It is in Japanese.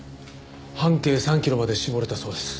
半径３キロまで絞れたそうです。